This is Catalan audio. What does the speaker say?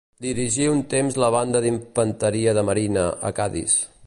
Dirigí un temps la banda d'Infanteria de Marina, a Cadis.